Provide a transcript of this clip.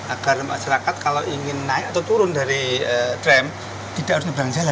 agar masyarakat kalau ingin naik atau turun dari tram tidak harus nebang jalan